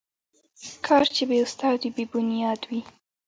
کار چې بې استاد وي، بې بنیاد وي.